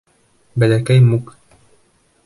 БӘЛӘКӘЙ МУК